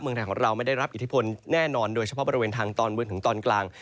เมืองไทยของเราไม่ได้รับอิทธิพลแน่นอนโดยเฉพาะบริเวณทางตอนบนถึงตอนกลาง